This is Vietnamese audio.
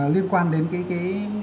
liên quan đến cái